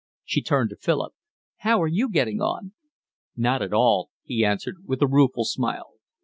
She turned to Philip. "How are you getting on?" "Not at all," he answered, with a rueful smile.